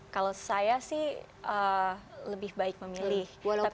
kalau saya sih lebih baik memilih